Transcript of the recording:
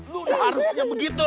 lo udah harusnya begitu